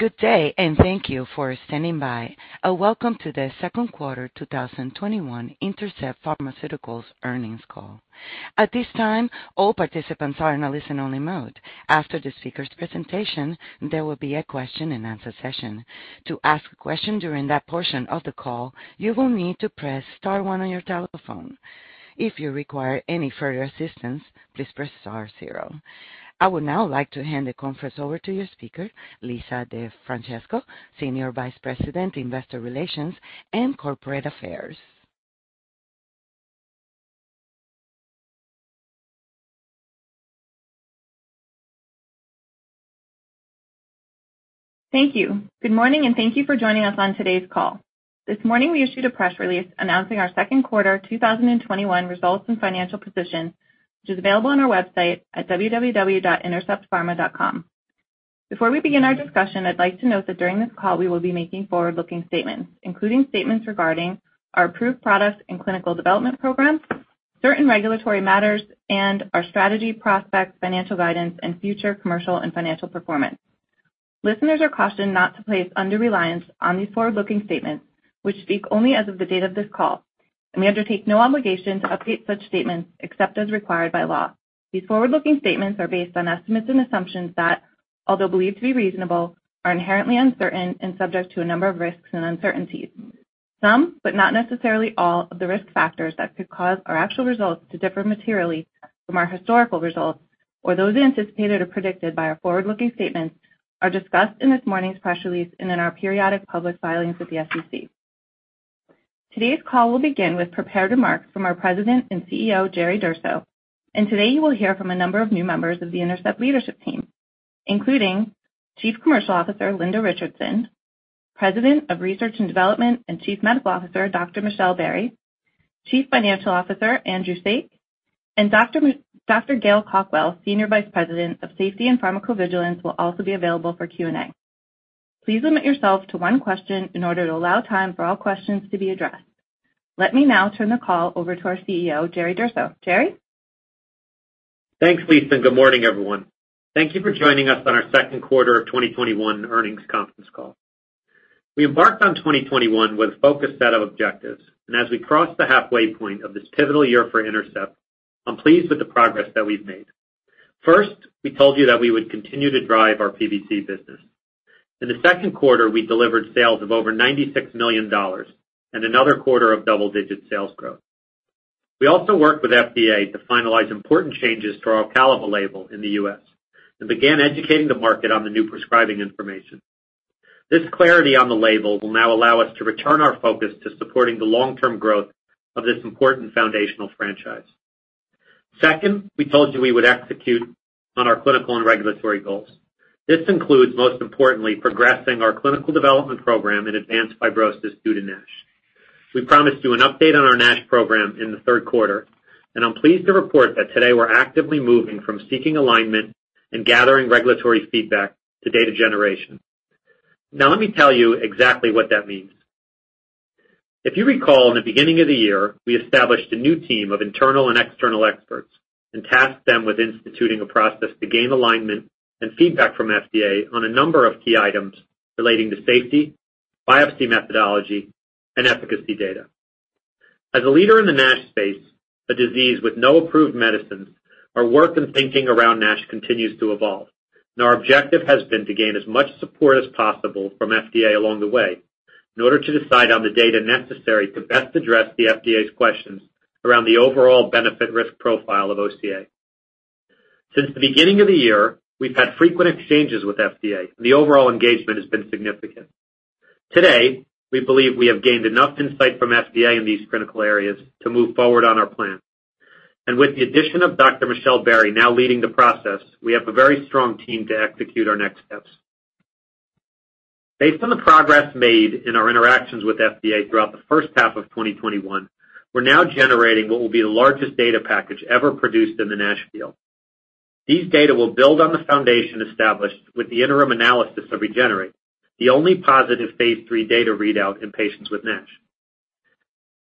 Good day, and thank you for standing by. Welcome to the second quarter 2021 Intercept Pharmaceuticals earnings call. I would now like to hand the conference over to your speaker, Lisa DeFrancesco, Senior Vice President, Investor Relations and Corporate Affairs. Thank you. Good morning, and thank you for joining us on today's call. This morning, we issued a press release announcing our second quarter 2021 results and financial position, which is available on our website at www.interceptpharma.com. Before we begin our discussion, I'd like to note that during this call, we will be making forward-looking statements, including statements regarding our approved products and clinical development programs, certain regulatory matters, and our strategy, prospects, financial guidance, and future commercial and financial performance. Listeners are cautioned not to place undue reliance on these forward-looking statements, which speak only as of the date of this call, and we undertake no obligation to update such statements except as required by law. These forward-looking statements are based on estimates and assumptions that, although believed to be reasonable, are inherently uncertain and subject to a number of risks and uncertainties. Some, but not necessarily all, of the risk factors that could cause our actual results to differ materially from our historical results or those anticipated or predicted by our forward-looking statements, are discussed in this morning's press release and in our periodic public filings with the SEC. Today's call will begin with prepared remarks from our President and CEO, Jerry Durso, and today you will hear from a number of new members of the Intercept leadership team, including Chief Commercial Officer, Linda Richardson, President of Research and Development and Chief Medical Officer, Dr. Michelle Berrey, Chief Financial Officer, Andrew Saik, and Dr. Gail Cawkwell, Senior Vice President of Safety and Pharmacovigilance, will also be available for Q&A. Please limit yourself to one question in order to allow time for all questions to be addressed. Let me now turn the call over to our CEO, Jerry Durso. Jerry? Thanks, Lisa. Good morning, everyone. Thank you for joining us on our second quarter of 2021 earnings conference call. We embarked on 2021 with a focused set of objectives, and as we cross the halfway point of this pivotal year for Intercept, I'm pleased with the progress that we've made. First, we told you that we would continue to drive our PBC business. In the second quarter, we delivered sales of over $96 million and another quarter of double-digit sales growth. We also worked with FDA to finalize important changes to our Ocaliva label in the U.S. and began educating the market on the new prescribing information. This clarity on the label will now allow us to return our focus to supporting the long-term growth of this important foundational franchise. Second, we told you we would execute on our clinical and regulatory goals. This includes, most importantly, progressing our clinical development program in advanced fibrosis due to NASH. We promised you an update on our NASH program in the third quarter, and I'm pleased to report that today we're actively moving from seeking alignment and gathering regulatory feedback to data generation. Now, let me tell you exactly what that means. If you recall, in the beginning of the year, we established a new team of internal and external experts and tasked them with instituting a process to gain alignment and feedback from FDA on a number of key items relating to safety, biopsy methodology, and efficacy data. As a leader in the NASH space, a disease with no approved medicines, our work and thinking around NASH continues to evolve, our objective has been to gain as much support as possible from FDA along the way in order to decide on the data necessary to best address the FDA's questions around the overall benefit risk profile of OCA. Since the beginning of the year, we've had frequent exchanges with FDA. The overall engagement has been significant. Today, we believe we have gained enough insight from FDA in these critical areas to move forward on our plan. With the addition of Dr. Michelle Berrey now leading the process, we have a very strong team to execute our next steps. Based on the progress made in our interactions with FDA throughout the first half of 2021, we're now generating what will be the largest data package ever produced in the NASH field. These data will build on the foundation established with the interim analysis of REGENERATE, the only positive phase III data readout in patients with NASH.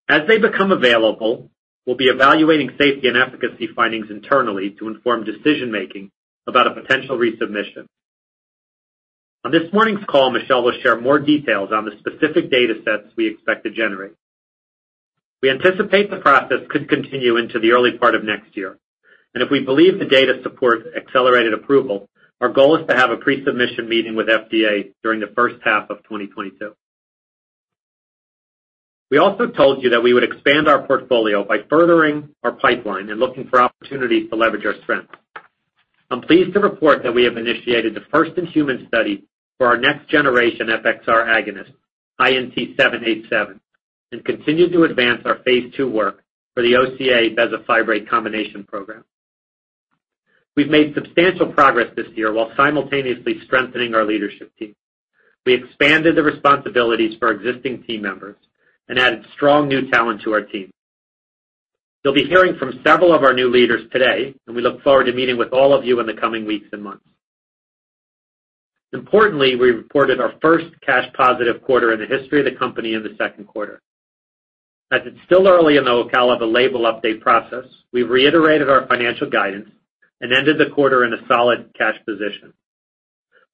As they become available, we'll be evaluating safety and efficacy findings internally to inform decision-making about a potential resubmission. On this morning's call, Michelle will share more details on the specific datasets we expect to generate. We anticipate the process could continue into the early part of next year. If we believe the data supports accelerated approval, our goal is to have a pre-submission meeting with FDA during the first half of 2022. We also told you that we would expand our portfolio by furthering our pipeline and looking for opportunities to leverage our strengths. I'm pleased to report that we have initiated the first in human study for our next generation FXR agonist, INT-787, and continue to advance our phase II work for the OCA bezafibrate combination program. We've made substantial progress this year while simultaneously strengthening our leadership team. We expanded the responsibilities for existing team members and added strong new talent to our team. You'll be hearing from several of our new leaders today, and we look forward to meeting with all of you in the coming weeks and months. Importantly, we reported our first cash positive quarter in the history of the company in the second quarter. As it's still early in the Ocaliva label update process, we've reiterated our financial guidance and ended the quarter in a solid cash position.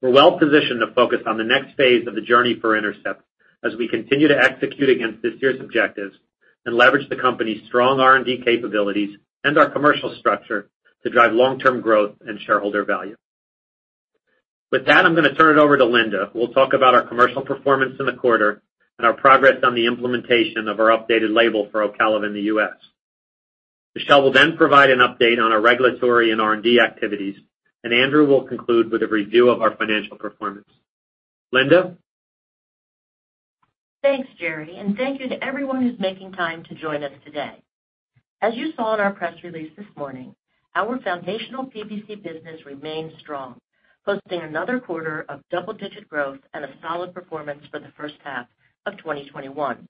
We're well-positioned to focus on the next phase of the journey for Intercept as we continue to execute against this year's objectives and leverage the company's strong R&D capabilities and our commercial structure to drive long-term growth and shareholder value. With that, I'm going to turn it over to Linda, who will talk about our commercial performance in the quarter and our progress on the implementation of our updated label for Ocaliva in the U.S. Michelle will then provide an update on our regulatory and R&D activities, and Andrew will conclude with a review of our financial performance. Linda? Thanks, Jerry, and thank you to everyone who's making time to join us today. As you saw in our press release this morning, our foundational PBC business remains strong, posting another quarter of double-digit growth and a solid performance for the first half of 2021.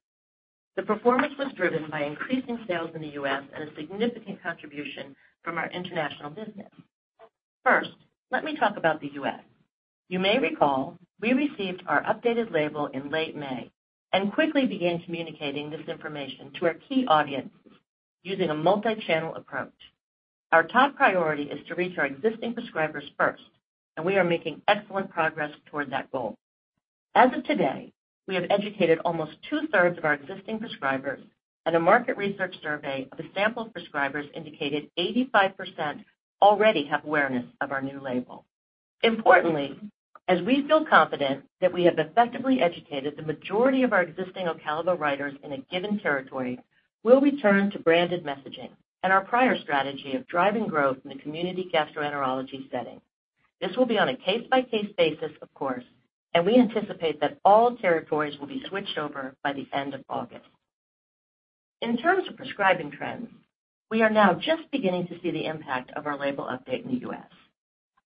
The performance was driven by increasing sales in the U.S. and a significant contribution from our international business. First, let me talk about the U.S. You may recall, we received our updated label in late May and quickly began communicating this information to our key audiences using a multi-channel approach. Our top priority is to reach our existing prescribers first, and we are making excellent progress toward that goal. As of today, we have educated almost 2/3 of our existing prescribers, and a market research survey of the sample prescribers indicated 85% already have awareness of our new label. Importantly, as we feel confident that we have effectively educated the majority of our existing Ocaliva writers in a given territory, we'll return to branded messaging and our prior strategy of driving growth in the community gastroenterology setting. This will be on a case-by-case basis, of course, and we anticipate that all territories will be switched over by the end of August. In terms of prescribing trends, we are now just beginning to see the impact of our label update in the U.S.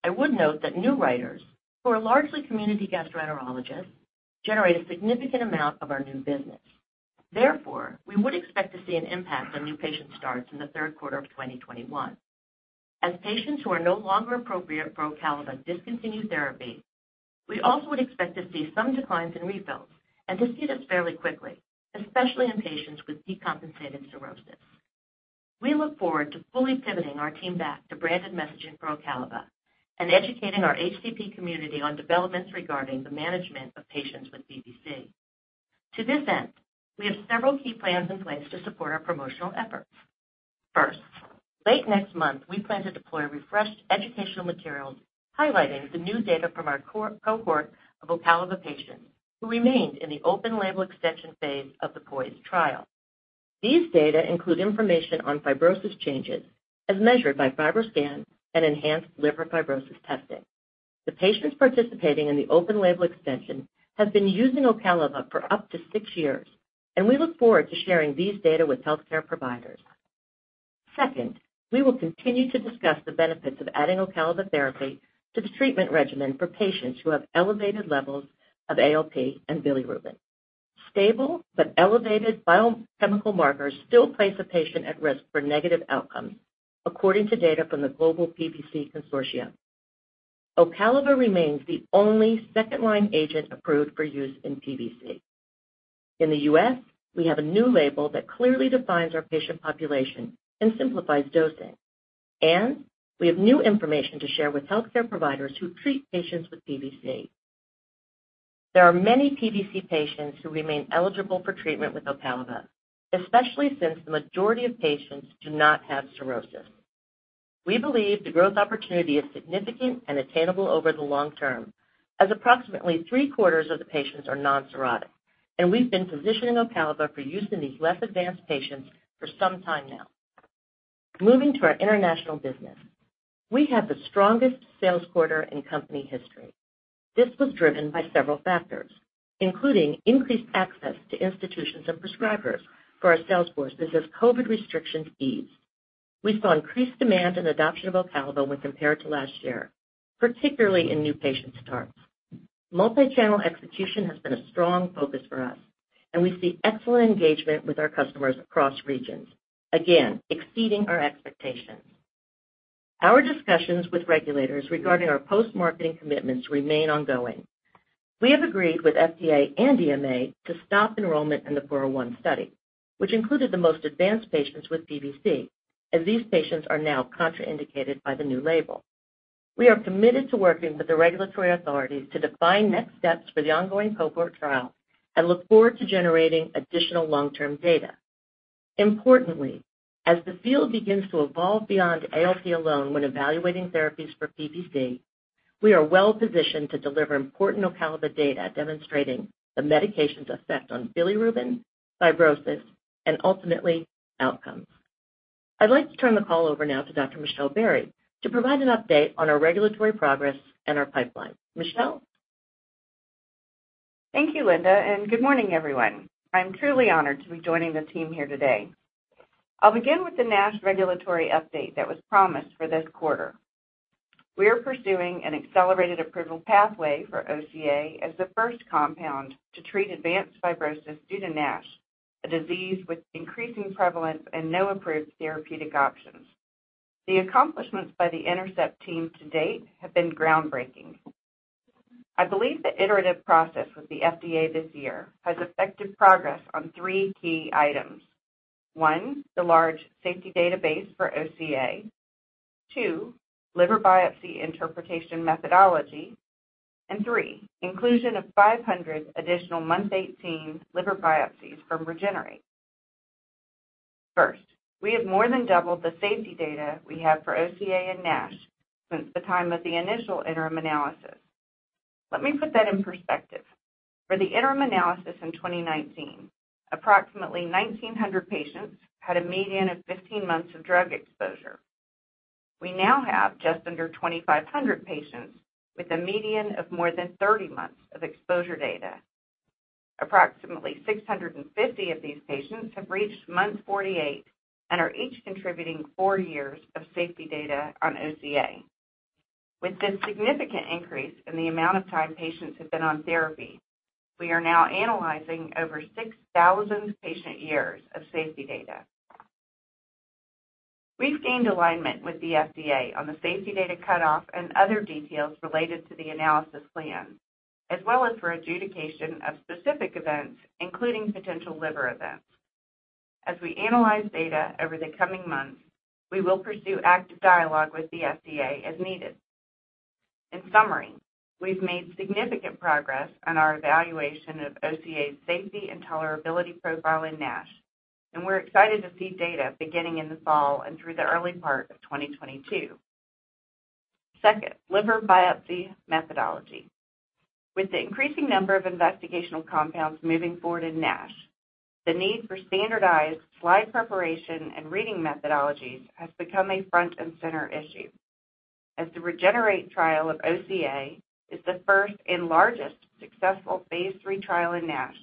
I would note that new writers, who are largely community gastroenterologists, generate a significant amount of our new business. Therefore, we would expect to see an impact on new patient starts in the third quarter of 2021. As patients who are no longer appropriate for Ocaliva discontinue therapy, we also would expect to see some declines in refills and to see this fairly quickly, especially in patients with decompensated cirrhosis. We look forward to fully pivoting our team back to branded messaging for Ocaliva and educating our HCP community on developments regarding the management of patients with PBC. To this end, we have several key plans in place to support our promotional efforts. First, late next month, we plan to deploy refreshed educational materials highlighting the new data from our cohort of Ocaliva patients who remained in the open-label extension phase of the POISE trial. These data include information on fibrosis changes as measured by FibroScan and Enhanced Liver Fibrosis testing. The patients participating in the open-label extension have been using Ocaliva for up to six years, and we look forward to sharing these data with healthcare providers. Second, we will continue to discuss the benefits of adding Ocaliva therapy to the treatment regimen for patients who have elevated levels of ALP and bilirubin. Stable but elevated biochemical markers still place a patient at risk for negative outcomes, according to data from the Global PBC Study Group. Ocaliva remains the only second-line agent approved for use in PBC. In the U.S., we have a new label that clearly defines our patient population and simplifies dosing, and we have new information to share with healthcare providers who treat patients with PBC. There are many PBC patients who remain eligible for treatment with Ocaliva, especially since the majority of patients do not have cirrhosis. We believe the growth opportunity is significant and attainable over the long term, as approximately 3/4 of the patients are non-cirrhotic, and we've been positioning Ocaliva for use in these less advanced patients for some time now. Moving to our international business, we had the strongest sales quarter in company history. This was driven by several factors, including increased access to institutions and prescribers for our sales forces as COVID restrictions eased. We saw increased demand and adoption of Ocaliva when compared to last year, particularly in new patient starts. Multi-channel execution has been a strong focus for us, and we see excellent engagement with our customers across regions, again exceeding our expectations. Our discussions with regulators regarding our post-marketing commitments remain ongoing. We have agreed with FDA and EMA to stop enrollment in the 401 study, which included the most advanced patients with PBC, as these patients are now contraindicated by the new label. We are committed to working with the regulatory authorities to define next steps for the ongoing cohort trial and look forward to generating additional long-term data. Importantly, as the field begins to evolve beyond ALP alone when evaluating therapies for PBC, we are well-positioned to deliver important Ocaliva data demonstrating the medication's effect on bilirubin, fibrosis, and ultimately, outcomes. I'd like to turn the call over now to Dr. Michelle Berrey to provide an update on our regulatory progress and our pipeline. Michelle? Thank you, Linda, and good morning, everyone. I'm truly honored to be joining the team here today. I'll begin with the NASH regulatory update that was promised for this quarter. We are pursuing an accelerated approval pathway for OCA as the first compound to treat advanced fibrosis due to NASH, a disease with increasing prevalence and no approved therapeutic options. The accomplishments by the Intercept team to date have been groundbreaking. I believe the iterative process with the FDA this year has affected progress on three key items. One, the large safety database for OCA. Two, liver biopsy interpretation methodology. Three, inclusion of 500 additional month 18 liver biopsies from REGENERATE. First, we have more than doubled the safety data we have for OCA and NASH since the time of the initial interim analysis. Let me put that in perspective. For the interim analysis in 2019, approximately 1,900 patients had a median of 15 months of drug exposure. We now have just under 2,500 patients with a median of more than 30 months of exposure data. Approximately 650 of these patients have reached month 48 and are each contributing four years of safety data on OCA. With this significant increase in the amount of time patients have been on therapy, we are now analyzing over 6,000 patient years of safety data. We've gained alignment with the FDA on the safety data cutoff and other details related to the analysis plan, as well as for adjudication of specific events, including potential liver events. As we analyze data over the coming months, we will pursue active dialogue with the FDA as needed. In summary, we've made significant progress on our evaluation of OCA's safety and tolerability profile in NASH, and we're excited to see data beginning in the fall and through the early part of 2022. Second, liver biopsy methodology. With the increasing number of investigational compounds moving forward in NASH, the need for standardized slide preparation and reading methodologies has become a front and center issue. As the REGENERATE trial of OCA is the first and largest successful phase III trial in NASH,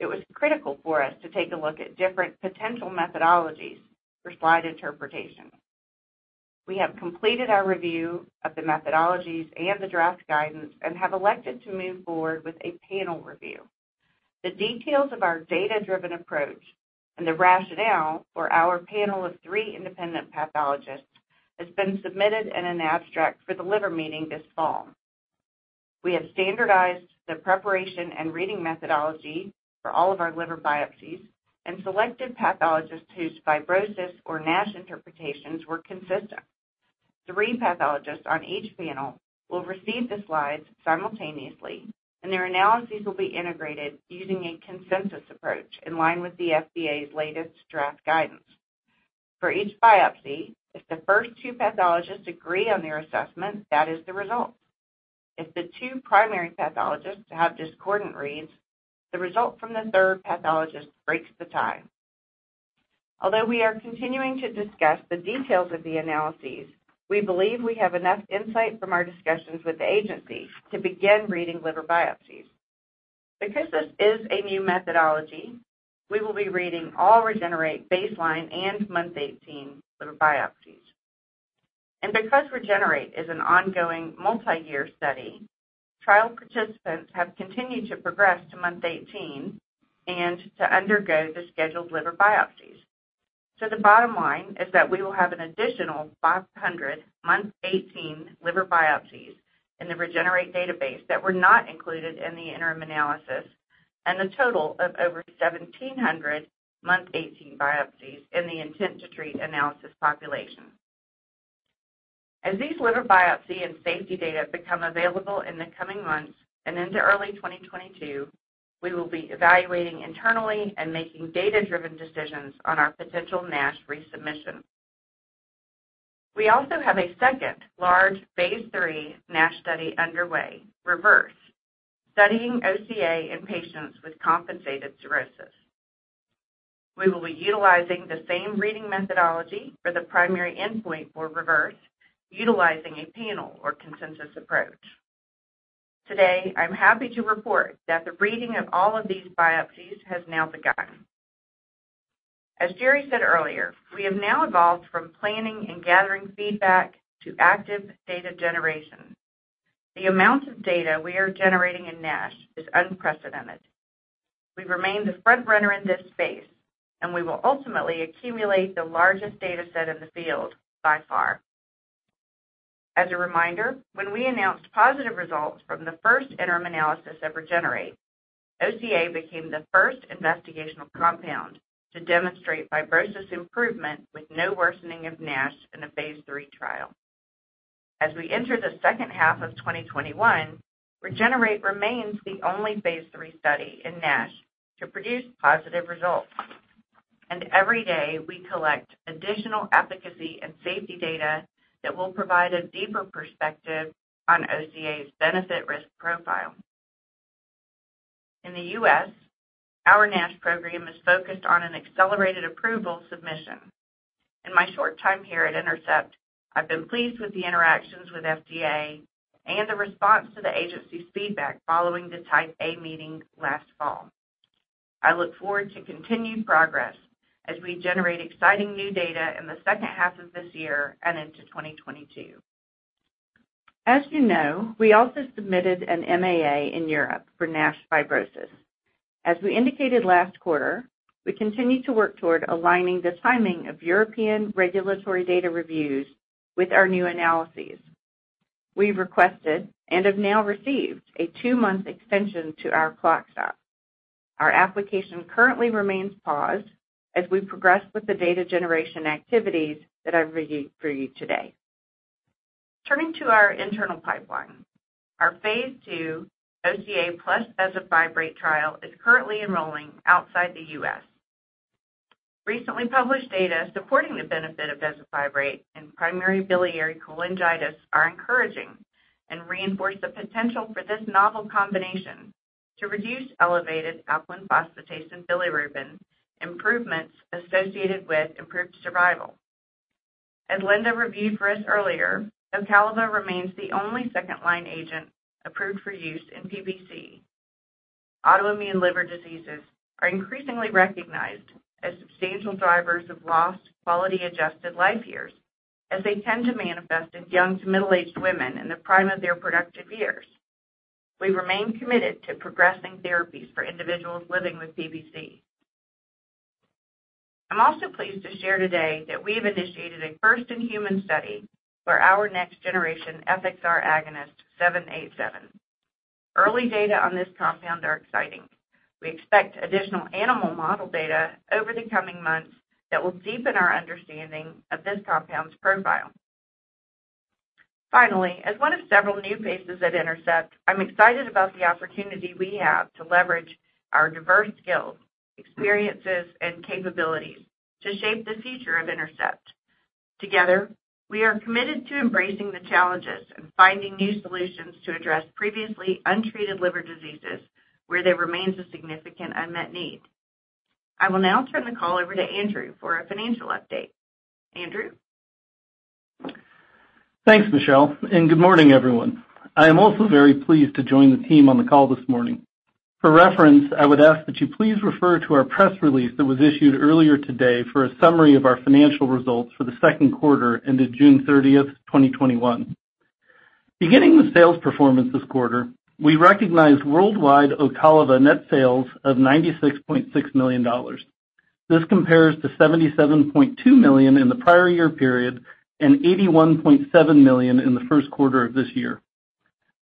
it was critical for us to take a look at different potential methodologies for slide interpretation. We have completed our review of the methodologies and the draft guidance and have elected to move forward with a panel review. The details of our data-driven approach and the rationale for our panel of three independent pathologists has been submitted in an abstract for The Liver Meeting this fall. We have standardized the preparation and reading methodology for all of our liver biopsies and selected pathologists whose fibrosis or NASH interpretations were consistent. Three pathologists on each panel will receive the slides simultaneously, and their analyses will be integrated using a consensus approach in line with the FDA's latest draft guidance. For each biopsy, if the first two pathologists agree on their assessment, that is the result. If the two primary pathologists have discordant reads, the result from the third pathologist breaks the tie. Although we are continuing to discuss the details of the analyses, we believe we have enough insight from our discussions with the agency to begin reading liver biopsies. Because this is a new methodology, we will be reading all REGENERATE baseline and month 18 liver biopsies. Because REGENERATE is an ongoing multi-year study, trial participants have continued to progress to month 18 and to undergo the scheduled liver biopsies. The bottom line is that we will have an additional 500 month 18 liver biopsies in the REGENERATE database that were not included in the interim analysis and a total of over 1,700 month 18 biopsies in the intent to treat analysis population. As these liver biopsy and safety data become available in the coming months and into early 2022, we will be evaluating internally and making data-driven decisions on our potential NASH resubmission. We also have a second large phase III NASH study underway, REVERSE, studying OCA in patients with compensated cirrhosis. We will be utilizing the same reading methodology for the primary endpoint for REVERSE, utilizing a panel or consensus approach. Today, I'm happy to report that the reading of all of these biopsies has now begun. As Jerry said earlier, we have now evolved from planning and gathering feedback to active data generation. The amount of data we are generating in NASH is unprecedented. We remain the front runner in this space, we will ultimately accumulate the largest data set in the field by far. As a reminder, when we announced positive results from the first interim analysis of REGENERATE, OCA became the first investigational compound to demonstrate fibrosis improvement with no worsening of NASH in a phase III trial. As we enter the second half of 2021, REGENERATE remains the only phase III study in NASH to produce positive results. Every day, we collect additional efficacy and safety data that will provide a deeper perspective on OCA's benefit risk profile. In the U.S., our NASH program is focused on an accelerated approval submission. In my short time here at Intercept, I've been pleased with the interactions with FDA and the response to the agency's feedback following the Type A meeting last fall. I look forward to continued progress as we generate exciting new data in the second half of this year and into 2022. You know, we also submitted an MAA in Europe for NASH fibrosis. We indicated last quarter, we continue to work toward aligning the timing of European regulatory data reviews with our new analyses. We requested, and have now received, a two-month extension to our clock stop. Our application currently remains paused as we progress with the data generation activities that I've reviewed for you today. Turning to our internal pipeline. Our phase II OCA plus bezafibrate trial is currently enrolling outside the U.S. Recently published data supporting the benefit of bezafibrate in primary biliary cholangitis are encouraging and reinforce the potential for this novel combination to reduce elevated alkaline phosphatase and bilirubin improvements associated with improved survival. As Linda reviewed for us earlier, Ocaliva remains the only second-line agent approved for use in PBC. Autoimmune liver diseases are increasingly recognized as substantial drivers of lost quality-adjusted life years, as they tend to manifest in young to middle-aged women in the prime of their productive years. We remain committed to progressing therapies for individuals living with PBC. I'm also pleased to share today that we have initiated a first-in-human study for our next-generation FXR agonist, 787. Early data on this compound are exciting. We expect additional animal model data over the coming months that will deepen our understanding of this compound's profile. Finally, as one of several new faces at Intercept, I'm excited about the opportunity we have to leverage our diverse skills, experiences, and capabilities to shape the future of Intercept. Together, we are committed to embracing the challenges and finding new solutions to address previously untreated liver diseases where there remains a significant unmet need. I will now turn the call over to Andrew for a financial update. Andrew? Thanks, Michelle, good morning, everyone. I am also very pleased to join the team on the call this morning. For reference, I would ask that you please refer to our press release that was issued earlier today for a summary of our financial results for the second quarter ended June 30th, 2021. Beginning with sales performance this quarter, we recognized worldwide Ocaliva net sales of $96.6 million. This compares to $77.2 million in the prior year period and $81.7 million in the first quarter of this year.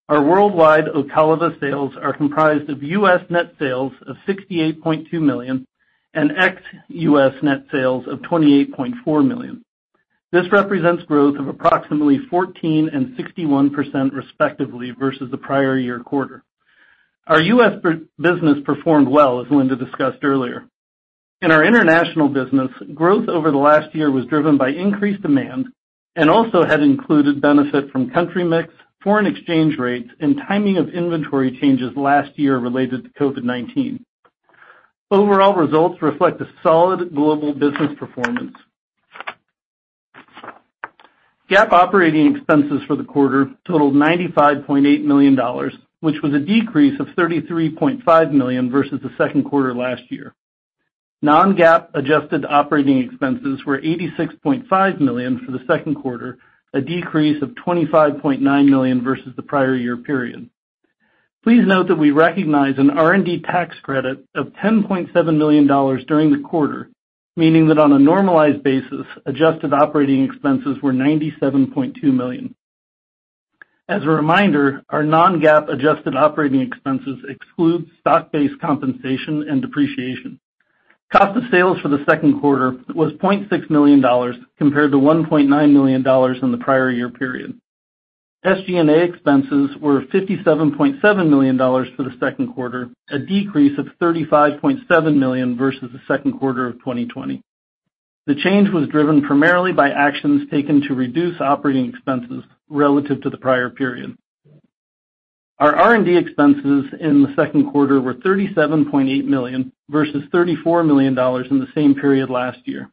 Our worldwide Ocaliva sales are comprised of U.S. net sales of $68.2 million and ex-U.S. net sales of $28.4 million. This represents growth of approximately 14% and 61% respectively versus the prior year quarter. Our U.S. business performed well, as Linda discussed earlier. In our international business, growth over the last year was driven by increased demand and also had included benefit from country mix, foreign exchange rates, and timing of inventory changes last year related to COVID-19. Overall results reflect a solid global business performance. GAAP operating expenses for the quarter totaled $95.8 million, which was a decrease of $33.5 million versus the second quarter last year. Non-GAAP adjusted operating expenses were $86.5 million for the second quarter, a decrease of $25.9 million versus the prior year period. Please note that we recognized an R&D tax credit of $10.7 million during the quarter, meaning that on a normalized basis, adjusted operating expenses were $97.2 million. As a reminder, our non-GAAP adjusted operating expenses exclude stock-based compensation and depreciation. Cost of sales for the second quarter was $0.6 million compared to $1.9 million in the prior year period. SG&A expenses were $57.7 million for the second quarter, a decrease of $35.7 million versus the second quarter of 2020. The change was driven primarily by actions taken to reduce operating expenses relative to the prior period. Our R&D expenses in the second quarter were $37.8 million, versus $34 million in the same period last year.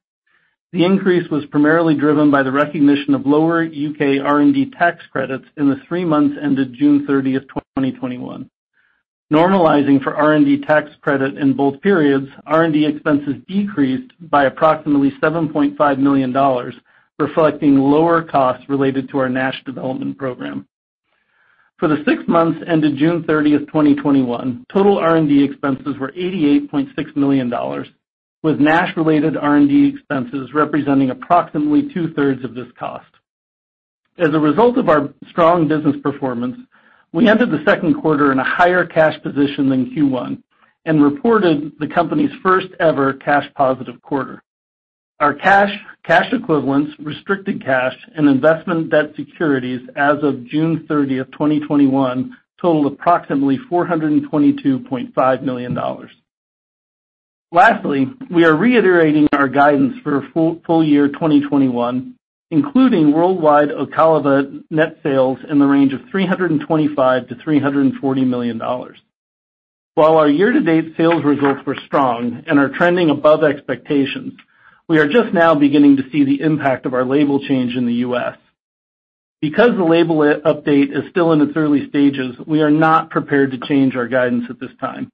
The increase was primarily driven by the recognition of lower U.K. R&D tax credits in the three months ended June 30th, 2021. Normalizing for R&D tax credit in both periods, R&D expenses decreased by approximately $7.5 million, reflecting lower costs related to our NASH development program. For the six months ended June 30th, 2021, total R&D expenses were $88.6 million, with NASH-related R&D expenses representing approximately 2/3 of this cost. As a result of our strong business performance, we entered the second quarter in a higher cash position than Q1 and reported the company's first-ever cash positive quarter. Our cash equivalents, restricted cash, and investment debt securities as of June 30th, 2021, totaled approximately $422.5 million. Lastly, we are reiterating our guidance for full-year 2021, including worldwide Ocaliva net sales in the range of $325 million-$340 million. While our year-to-date sales results were strong and are trending above expectations, we are just now beginning to see the impact of our label change in the U.S. Because the label update is still in its early stages, we are not prepared to change our guidance at this time.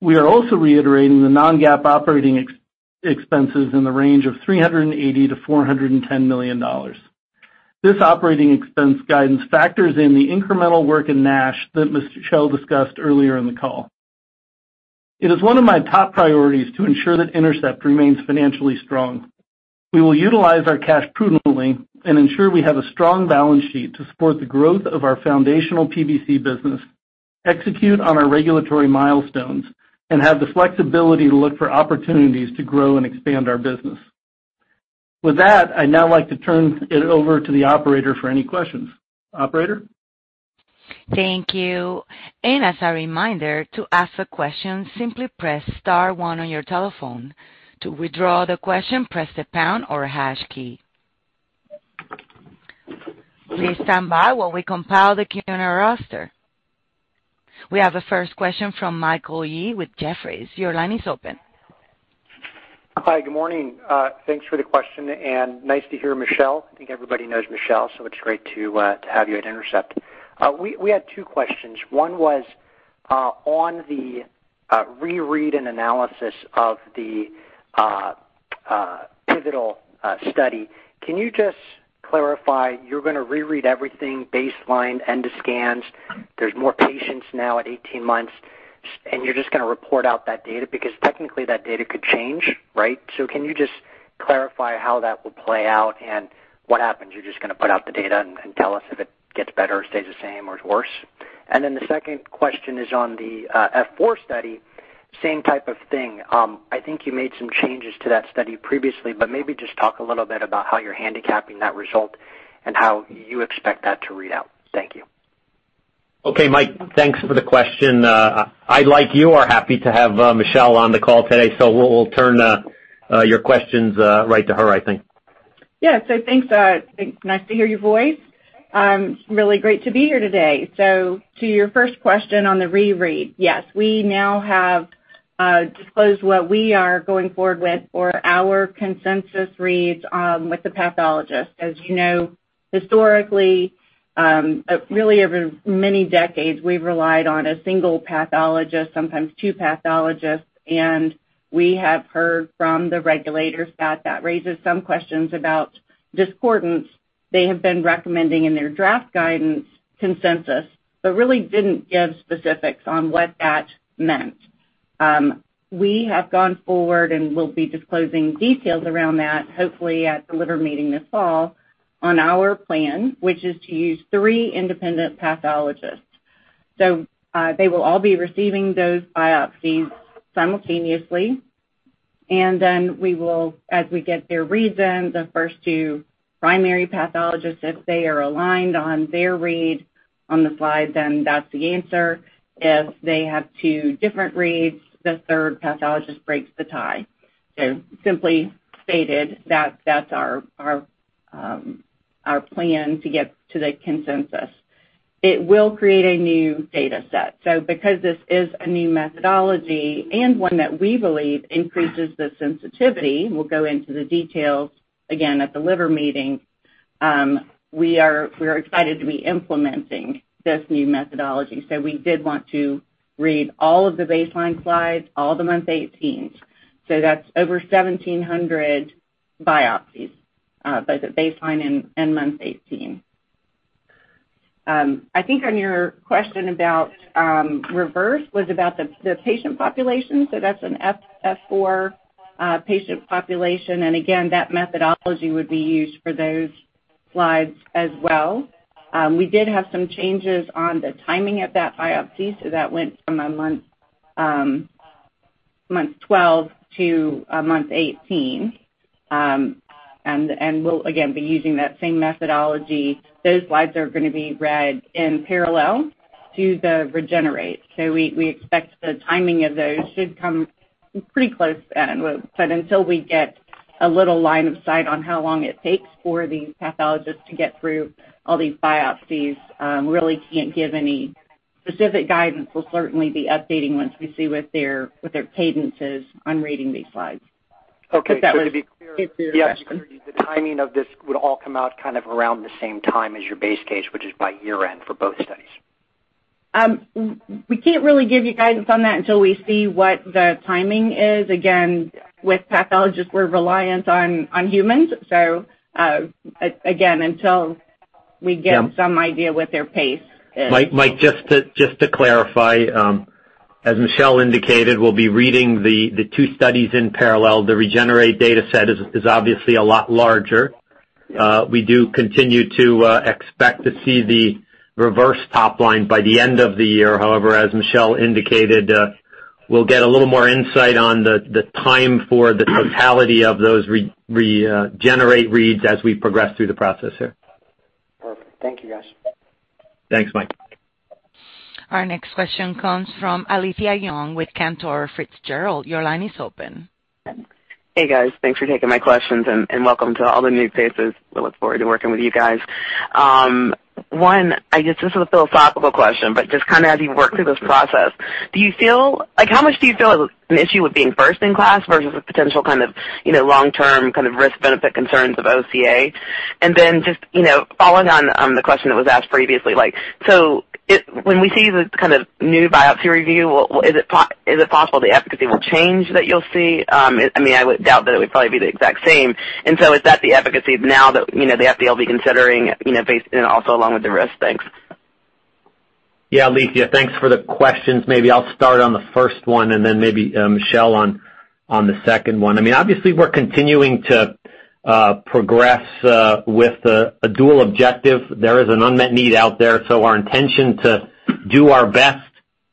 We are also reiterating the non-GAAP operating expenses in the range of $380 million-$410 million. This operating expense guidance factors in the incremental work in NASH that Michelle discussed earlier in the call. It is one of my top priorities to ensure that Intercept remains financially strong. We will utilize our cash prudently and ensure we have a strong balance sheet to support the growth of our foundational PBC business, execute on our regulatory milestones, and have the flexibility to look for opportunities to grow and expand our business. With that, I'd now like to turn it over to the operator for any questions. Operator? Thank you. As a reminder, to ask a question, simply press star one on your telephone. To withdraw the question, press the pound or hash key. Please stand by while we compile the Q&A roster. We have a first question from Michael Yee with Jefferies. Your line is open. Hi, good morning. Thanks for the question and nice to hear Michelle. I think everybody knows Michelle. It's great to have you at Intercept. We had two questions. One was on the reread and analysis of the pivotal study. Can you just clarify, you're going to reread everything, baseline, end of scans. There's more patients now at 18 months. You're just going to report out that data because technically that data could change, right? Can you just clarify how that will play out and what happens? You're just going to put out the data and tell us if it gets better or stays the same or is worse? The second question is on the F4 study, same type of thing. I think you made some changes to that study previously, but maybe just talk a little bit about how you're handicapping that result and how you expect that to read out. Thank you. Okay, Mike, thanks for the question. I, like you, are happy to have Michelle on the call today. We'll turn your questions right to her, I think. Thanks. It's nice to hear your voice. Really great to be here today. To your first question on the reread. Yes, we now have disclosed what we are going forward with for our consensus reads with the pathologist. As you know, historically, really over many decades, we've relied on a single pathologist, sometimes two pathologists, and we have heard from the regulators that that raises some questions about discordance. They have been recommending in their draft guidance consensus, but really didn't give specifics on what that meant. We have gone forward and we'll be disclosing details around that, hopefully at The Liver Meeting this fall on our plan, which is to use three independent pathologists. They will all be receiving those biopsies simultaneously. We will, as we get their reads in, the first two primary pathologists, if they are aligned on their read on the slide, then that's the answer. If they have two different reads, the third pathologist breaks the tie. Simply stated, that's our plan to get to the consensus. It will create a new data set. Because this is a new methodology and one that we believe increases the sensitivity, we'll go into the details again at The Liver Meeting. We are excited to be implementing this new methodology. We did want to read all of the baseline slides, all the month 18s. That's over 1,700 biopsies, both at baseline and month 18. I think on your question about REVERSE was about the patient population, so that's an F4 patient population. Again, that methodology would be used for those slides as well. We did have some changes on the timing of that biopsy. That went from a month 12 to a month 18. We'll, again, be using that same methodology. Those slides are going to be read in parallel to the REGENERATE. We expect the timing of those should come pretty close then. Until we get a little line of sight on how long it takes for the pathologist to get through all these biopsies, really can't give any specific guidance. We'll certainly be updating once we see what their cadence is on reading these slides. Okay. If that answers your question. To be clear- Yeah. The timing of this would all come out kind of around the same time as your base case, which is by year-end for both studies. We can't really give you guidance on that until we see what the timing is. Again, with pathologists, we're reliant on humans. Again, until we get some idea what their pace is. Mike, just to clarify, as Michelle indicated, we'll be reading the two studies in parallel. The REGENERATE data set is obviously a lot larger. We do continue to expect to see the REVERSE top line by the end of the year. However, as Michelle indicated, we'll get a little more insight on the time for the totality of those REGENERATE reads as we progress through the process here. Perfect. Thank you, guys. Thanks, Mike. Our next question comes from Alethia Young with Cantor Fitzgerald. Your line is open. Hey, guys. Thanks for taking my questions and welcome to all the new faces. We look forward to working with you guys. One, I guess this is a philosophical question, but just as you work through this process, how much do you feel is at an issue with being first-in-class versus a potential long-term risk benefit concerns of OCA? Just following on the question that was asked previously, when we see the new biopsy review, is it possible the efficacy will change that you'll see? I doubt that it would probably be the exact same. Is that the efficacy now that the FDA will be considering, based and also along with the risk? Thanks. Alethia, thanks for the questions. Maybe I'll start on the first one and then Michelle on the second one. Obviously, we're continuing to progress with a dual objective. There is an unmet need out there. Our intention to do our best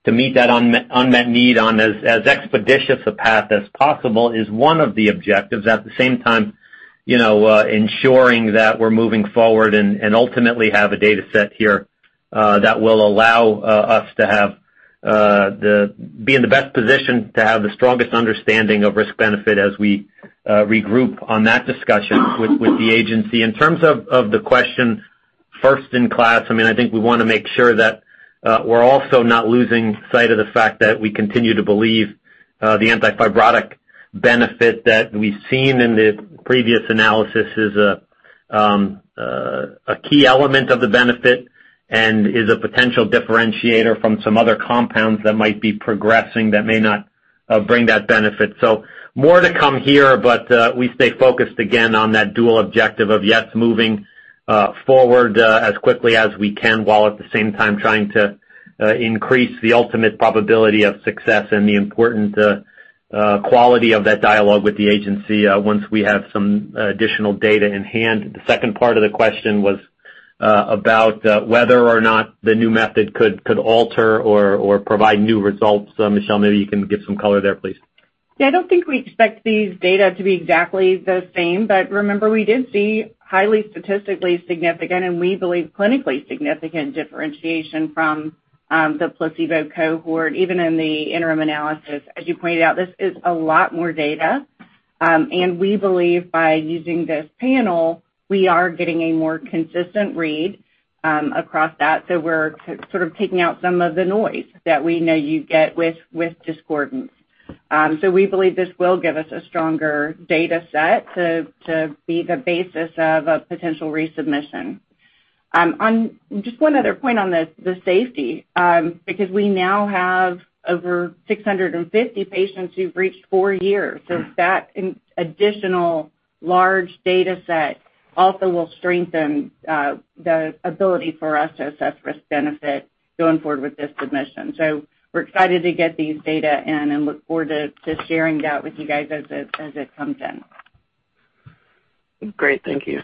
to meet that unmet need on as expeditious a path as possible is one of the objectives. At the same time, ensuring that we're moving forward and ultimately have a data set here that will allow us to be in the best position to have the strongest understanding of risk benefit as we regroup on that discussion with the agency. In terms of the question first-in-class, I think we want to make sure that we're also not losing sight of the fact that we continue to believe the anti-fibrotic benefit that we've seen in the previous analysis is a key element of the benefit and is a potential differentiator from some other compounds that might be progressing that may not bring that benefit. More to come here, but we stay focused again on that dual objective of, yes, moving forward as quickly as we can, while at the same time trying to increase the ultimate probability of success and the important quality of that dialogue with the agency once we have some additional data in hand. The second part of the question was about whether or not the new method could alter or provide new results. Michelle, maybe you can give some color there, please. Yeah, I don't think we expect these data to be exactly the same, but remember, we did see highly statistically significant and we believe clinically significant differentiation from the placebo cohort, even in the interim analysis. As you pointed out, this is a lot more data. We believe by using this panel, we are getting a more consistent read across that. We're sort of taking out some of the noise that we know you get with discordance. We believe this will give us a stronger data set to be the basis of a potential resubmission. Just one other point on the safety, because we now have over 650 patients who've reached four years. That additional large data set also will strengthen the ability for us to assess risk benefit going forward with this submission. We're excited to get these data in and look forward to sharing that with you guys as it comes in. Great, thank you.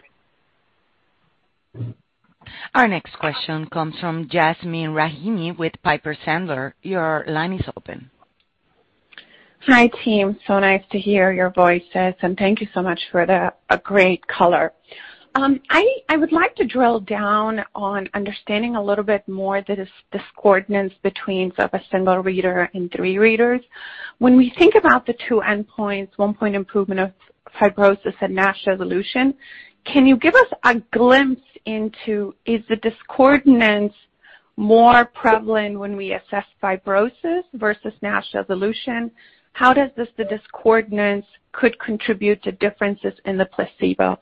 Our next question comes from Yasmeen Rahimi with Piper Sandler. Your line is open. Hi, team. Nice to hear your voices. Thank you so much for the great color. I would like to drill down on understanding a little bit more the discordance between a single reader and three readers. When we think about the two endpoints, a point improvement of fibrosis and NASH resolution, can you give us a glimpse into, is the discordance more prevalent when we assess fibrosis versus NASH resolution? How does the discordance could contribute to differences in the placebo?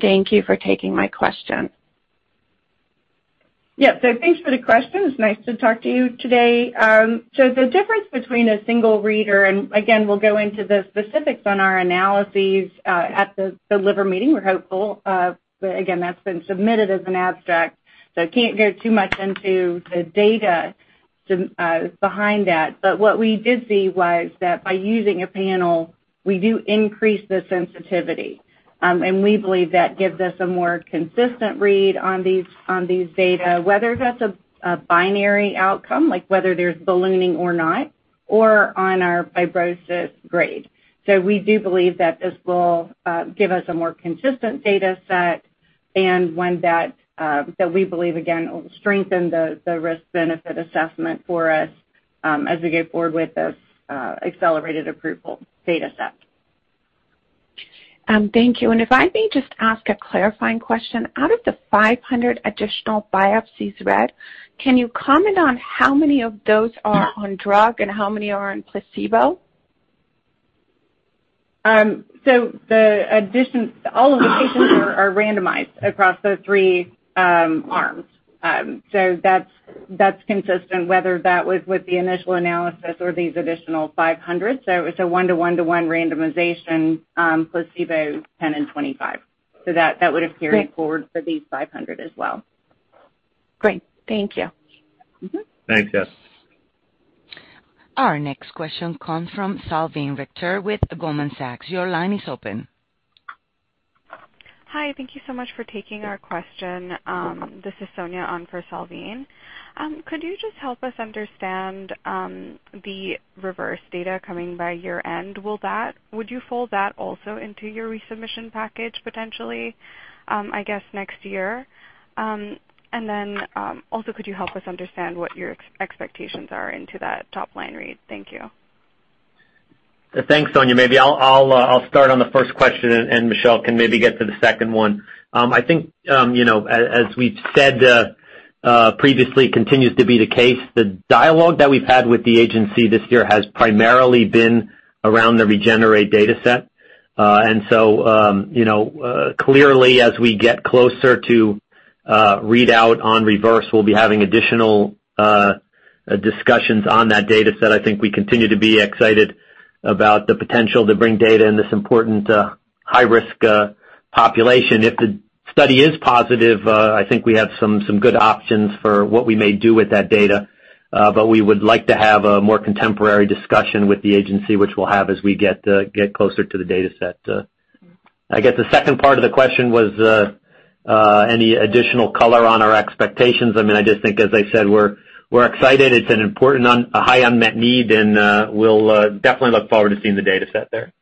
Thank you for taking my question. Yeah. Thanks for the question, it's nice to talk to you today. The difference between a single reader, and again, we'll go into the specifics on our analyses at The Liver Meeting, we're hopeful. Again, that's been submitted as an abstract, can't go too much into the data behind that. What we did see was that by using a panel, we do increase the sensitivity. We believe that gives us a more consistent read on these data, whether that's a binary outcome, like whether there's ballooning or not, or on our fibrosis grade. We do believe that this will give us a more consistent data set and one that we believe again, will strengthen the risk-benefit assessment for us as we go forward with this accelerated approval data set. Thank you. If I may just ask a clarifying question. Out of the 500 additional biopsies read, can you comment on how many of those are on drug and how many are on placebo? All of the patients are randomized across the three arms. That's consistent, whether that was with the initial analysis or these additional 500. It's a one-to-one-to-one randomization, placebo 10 and 25. That would have carried forward for these 500 as well. Great, thank you. Thanks, Yas. Our next question comes from Salveen Richter with Goldman Sachs. Your line is open. Hi. Thank you so much for taking our question. This is Sonia on for Salveen. Could you just help us understand the REVERSE data coming by year-end? Would you fold that also into your resubmission package potentially, I guess, next year? Could you help us understand what your expectations are into that top-line read? Thank you. Thanks, Sonia. Maybe I'll start on the first question, and Michelle can maybe get to the second one. I think, as we've said previously, continues to be the case. The dialogue that we've had with the agency this year has primarily been around the REGENERATE dataset. Clearly as we get closer to readout on REVERSE, we'll be having additional discussions on that dataset. I think we continue to be excited about the potential to bring data in this important high-risk population. If the study is positive, I think we have some good options for what we may do with that data, but we would like to have a more contemporary discussion with the agency, which we'll have as we get closer to the dataset. I guess the second part of the question was any additional color on our expectations. I just think, as I said, we're excited. It's an important, high unmet need, and we'll definitely look forward to seeing the dataset there.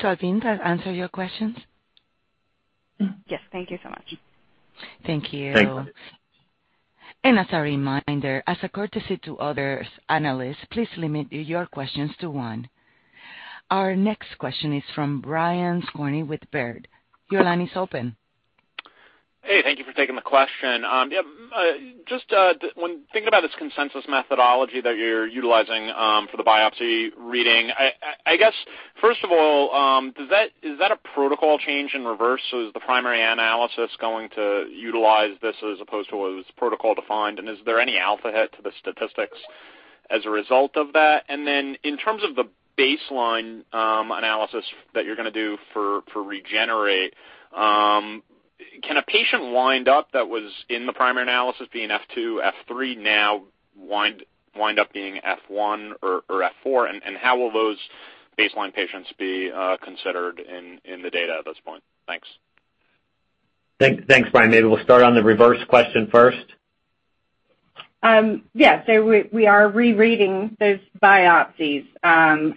Sonia, does that answer your questions? Yes, thank you so much. Thank you. Thanks. As a reminder, as a courtesy to other analysts, please limit your questions to one. Our next question is from Brian Skorney with Baird. Your line is open. Thank you for taking the question. When thinking about this consensus methodology that you're utilizing for the biopsy reading, I guess first of all, is that a protocol change in REVERSE? Is the primary analysis going to utilize this as opposed to what was protocol defined, and is there any alpha hit to the statistics as a result of that? In terms of the baseline analysis that you're going to do for REGENERATE, can a patient wind up that was in the primary analysis being F2, F3 now wind up being F1 or F4? How will those baseline patients be considered in the data at this point? Thanks. Thanks. Brian. Maybe we'll start on the REVERSE question first. Yeah, we are rereading those biopsies. I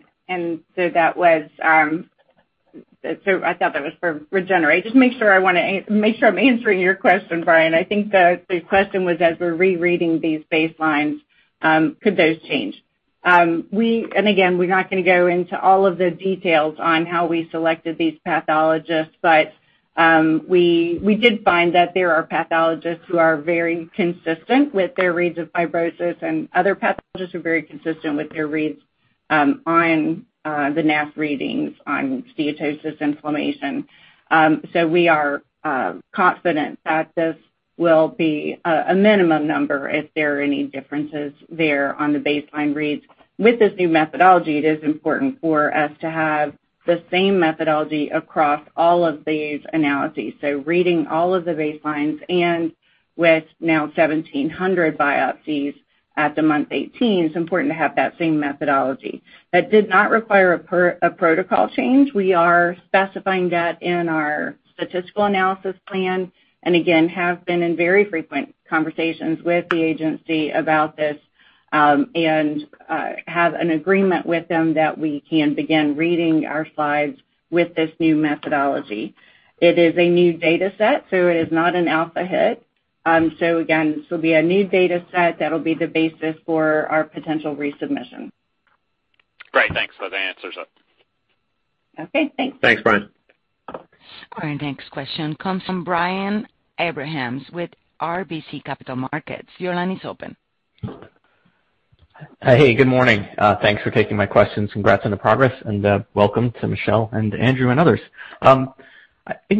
thought that was for REGENERATE. Just make sure I'm answering your question, Brian. I think the question was, as we're rereading these baselines, could those change? Again, we're not going to go into all of the details on how we selected these pathologists, but we did find that there are pathologists who are very consistent with their reads of fibrosis and other pathologists who are very consistent with their reads on the NASH readings on steatosis inflammation. We are confident that this will be a minimum number if there are any differences there on the baseline reads. With this new methodology, it is important for us to have the same methodology across all of these analyses. Reading all of the baselines and with now 1,700 biopsies at the month 18, it's important to have that same methodology. That did not require a protocol change. We are specifying that in our statistical analysis plan and again, have been in very frequent conversations with the agency about this and have an agreement with them that we can begin reading our slides with this new methodology. It is a new dataset, so it is not an alpha hit. Again, this will be a new dataset that'll be the basis for our potential resubmission. Great, thanks for the answers. Okay, thanks. Thanks, Brian. Our next question comes from Brian Abrahams with RBC Capital Markets. Your line is open. Hey, good morning. Thanks for taking my questions. Congrats on the progress and welcome to Michelle and Andrew and others. I'm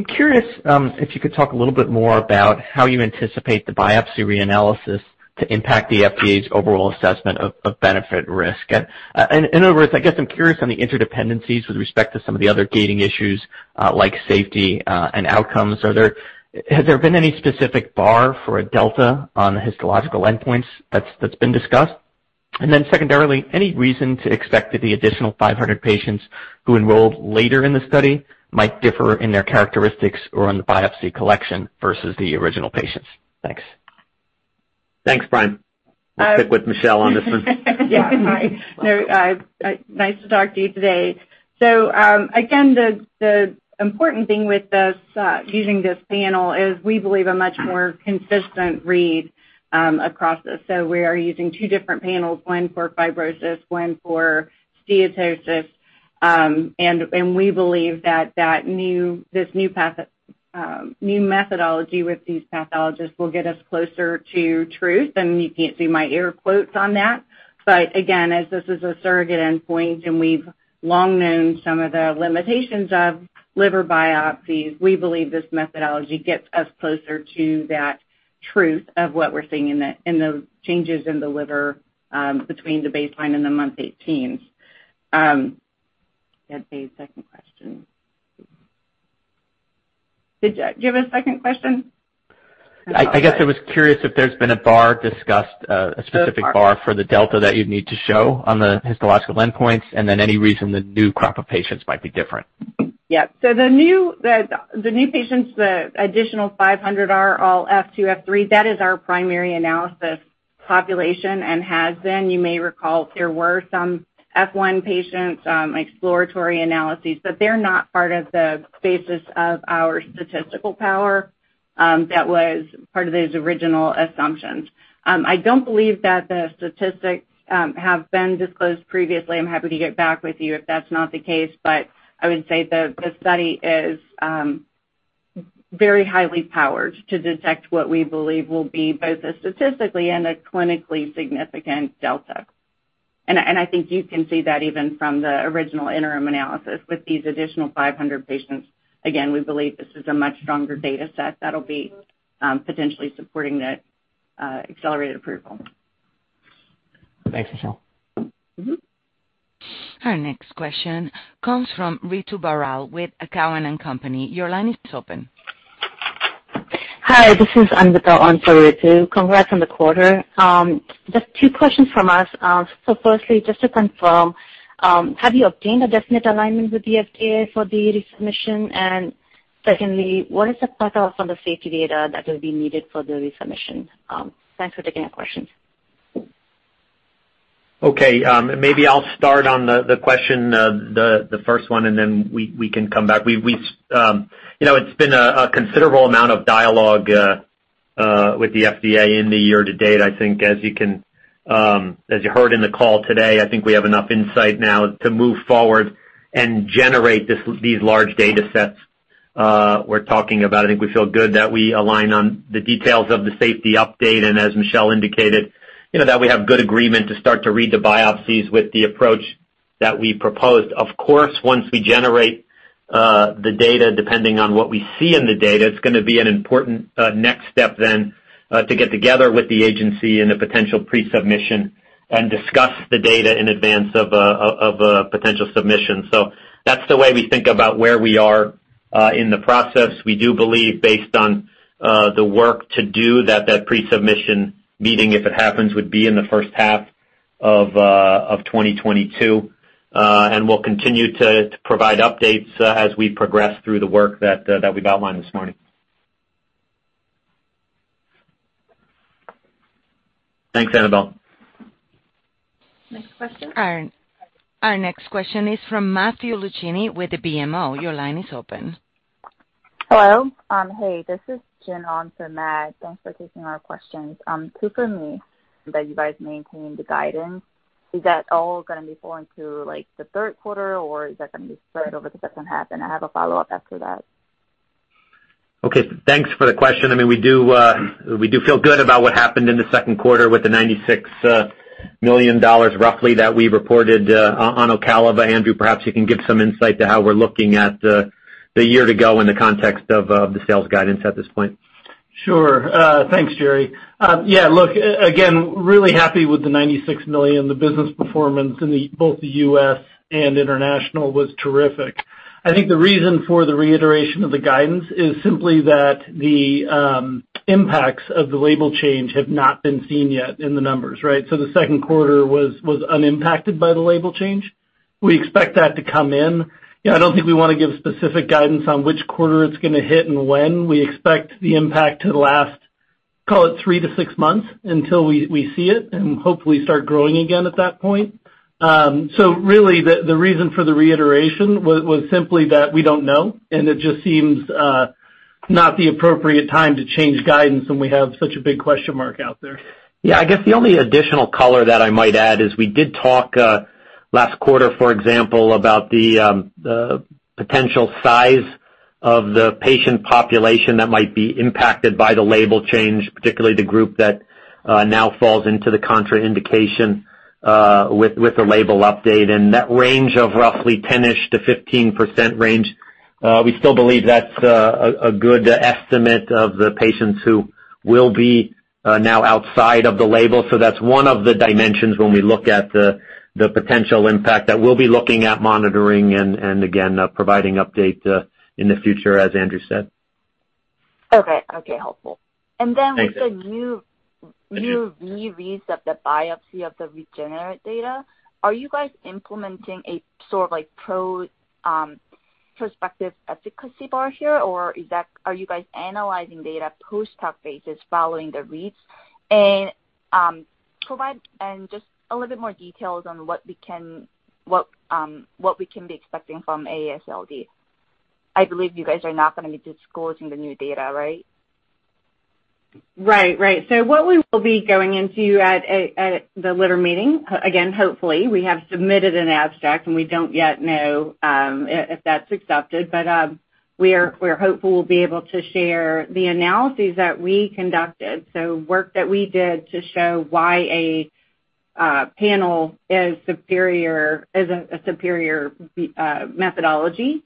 curious if you could talk a little bit more about how you anticipate the biopsy reanalysis to impact the FDA's overall assessment of benefit risk. In other words, I guess I'm curious on the interdependencies with respect to some of the other gating issues like safety and outcomes. Has there been any specific bar for a delta on the histological endpoints that's been discussed? Secondarily, any reason to expect that the additional 500 patients who enrolled later in the study might differ in their characteristics or in the biopsy collection versus the original patients? Thanks. Thanks, Brian. We'll stick with Michelle on this one. Yeah. Hi, nice to talk to you today. Again, the important thing with using this panel is we believe a much more consistent read across this. We are using two different panels, one for fibrosis, one for steatosis. We believe that this new methodology with these pathologists will get us closer to truth, and you can't see my air quotes on that. Again, as this is a surrogate endpoint, and we've long known some of the limitations of liver biopsies, we believe this methodology gets us closer to that truth of what we're seeing in the changes in the liver between the baseline and the month 18s. You had a second question. Did you have a second question? I guess I was curious if there's been a bar discussed, a specific bar for the delta that you'd need to show on the histological endpoints, and then any reason the new crop of patients might be different? The new patients, the additional 500 are all F2, F3. That is our primary analysis population and has been. You may recall there were some F1 patients exploratory analyses, they're not part of the basis of our statistical power that was part of the original assumptions. I don't believe that the statistics have been disclosed previously. I'm happy to get back with you if that's not the case. I would say the study is very highly powered to detect what we believe will be both a statistically and a clinically significant delta. I think you can see that even from the original interim analysis with these additional 500 patients. Again, we believe this is a much stronger data set that'll be potentially supporting the accelerated approval. Thanks, Michelle. Our next question comes from Ritu Baral with Cowen and Company. Your line is open. Hi, this is Anvita on for Ritu. Congrats on the quarter. Just two questions from us. Firstly, just to confirm, have you obtained a definite alignment with the FDA for the resubmission? Secondly, what is the cut-off on the safety data that will be needed for the resubmission? Thanks for taking our questions. Okay. Maybe I'll start on the question, the first one, and then we can come back. It's been a considerable amount of dialogue with the FDA in the year-to-date. I think as you heard in the call today, I think we have enough insight now to move forward and generate these large datasets we're talking about. I think we feel good that we align on the details of the safety update, and as Michelle indicated, that we have good agreement to start to read the biopsies with the approach that we proposed. Of course, once we generate the data, depending on what we see in the data, it's going to be an important next step then to get together with the agency in a potential pre-submission and discuss the data in advance of a potential submission. That's the way we think about where we are in the process. We do believe, based on the work to do, that pre-submission meeting, if it happens, would be in the first half of 2022. We'll continue to provide updates as we progress through the work that we've outlined this morning. Thanks, Anvita. Next question? Our next question is from Matthew Luchini with the BMO. Your line is open. Hey, this is Jen on for Matt. Thanks for taking our questions. Super neat that you guys maintained the guidance. Is that all going to be falling through the third quarter, or is that going to be spread over the second half? I have a follow-up after that. Okay, thanks for the question. We do feel good about what happened in the second quarter with the $96 million roughly that we reported on Ocaliva. Andrew, perhaps you can give some insight to how we're looking at the year to go in the context of the sales guidance at this point? Sure. Thanks, Jerry. Yeah, look, again, really happy with the $96 million. The business performance in both the U.S. and international was terrific. I think the reason for the reiteration of the guidance is simply that the impacts of the label change have not been seen yet in the numbers, right? The second quarter was unimpacted by the label change. We expect that to come in. I don't think we want to give specific guidance on which quarter it's going to hit and when. We expect the impact to last, call it three to six months until we see it and hopefully start growing again at that point. Really, the reason for the reiteration was simply that we don't know, and it just seems not the appropriate time to change guidance when we have such a big question mark out there. I guess the only additional color that I might add is we did talk last quarter, for example, about the potential size of the patient population that might be impacted by the label change, particularly the group that now falls into the contraindication with the label update. That range of roughly 10%-ish to 15% range, we still believe that's a good estimate of the patients who will be now outside of the label. That's one of the dimensions when we look at the potential impact that we'll be looking at monitoring and again, providing update in the future, as Andrew said. Okay, helpful. Thanks. With the new re-reads of the biopsy of the REGENERATE data, are you guys implementing a sort of prospective efficacy bar here, or are you guys analyzing data post hoc basis following the reads? Just a little bit more details on what we can be expecting from AASLD. I believe you guys are not going to be disclosing the new data, right? Right. What we will be going into at The Liver Meeting, again, hopefully, we have submitted an abstract, and we don't yet know if that's accepted, but we're hopeful we'll be able to share the analyses that we conducted. Work that we did to show why a panel is a superior methodology